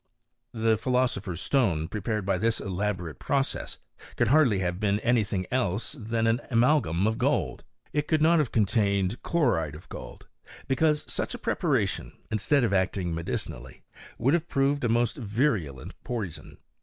The philosopher's stone prepared by this elaborate process could hardly have been any thing else than an amalgam of gold; it could not have contained chlo ride of gold, because such a preparation, instead of acting medicinally, would have proved a most virulent poison.